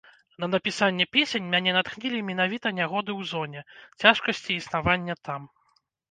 На напісанне песень мяне натхнілі менавіта нягоды ў зоне, цяжкасці існавання там.